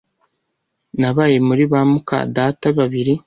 Nabaye muri ba mukadata babiri